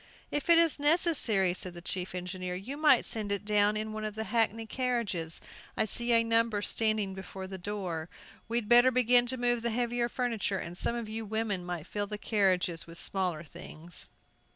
"If it is necessary," said the chief engineer, "you might send it down in one of the hackney carriages. I see a number standing before the door. We'd better begin to move the heavier furniture, and some of you women might fill the carriages with smaller things."